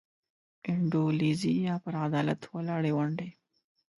انډولیزي یا پر عدالت ولاړې ونډې.